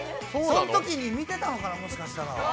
そのときに見てたのかな、もしかしたら。